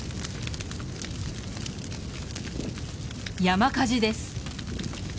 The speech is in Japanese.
山火事です。